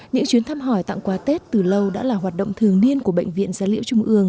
những chuyến thăm hỏi tặng quà tết từ lâu đã là hoạt động thường niên của bệnh viện gia liễu trung ương